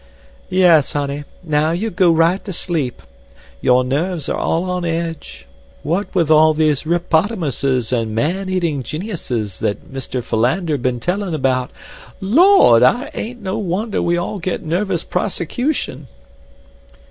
"Yes, honey; now you go right to sleep. Your nerves are all on edge. What with all these ripotamuses and man eating geniuses that Mister Philander been telling about—Lord, it ain't no wonder we all get nervous prosecution."